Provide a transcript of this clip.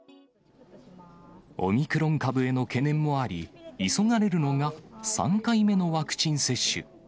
オミクロン株への懸念もあり、急がれるのが、３回目のワクチン接種。